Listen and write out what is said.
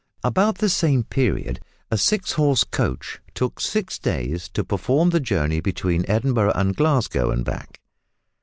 About the same period a six horse coach took six days to perform the journey between Edinburgh and Glasgow and back.